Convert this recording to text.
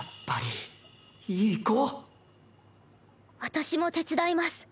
私も手伝います